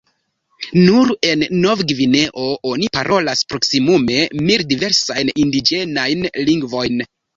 Nur en Nov-Gvineo oni parolas proksimume mil diversajn indiĝenajn lingvojn.